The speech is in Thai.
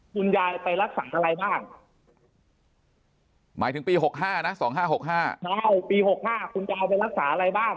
คุณยายไปรักษาอะไรบ้างหมายถึงปี๖๕นะ๒๕๖๕น้องปี๖๕คุณจะเอาไปรักษาอะไรบ้าง